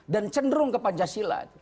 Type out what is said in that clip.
dan cenderung ke pancasila